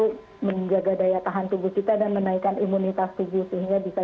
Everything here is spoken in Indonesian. jadi itu menjaga daya tahan tubuh kita dan menaikkan imunitas tubuh sehingga bisa